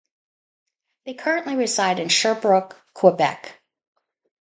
They currently reside in Sherbrooke, Quebec.